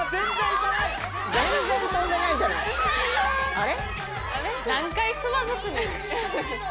あれ？